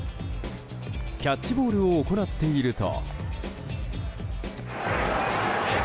キャッチボールを行っていると。